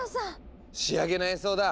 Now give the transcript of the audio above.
仕上げの演奏だ！